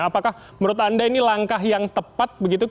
apakah menurut anda ini langkah yang tepat begitu